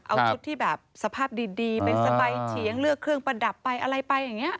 เอาชุดที่แบบสภาพดีเป็นสบายเฉียงเลือกเครื่องประดับไปอะไรไปอย่างนี้